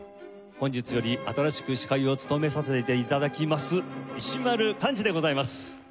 本日より新しく司会を務めさせて頂きます石丸幹二でございます。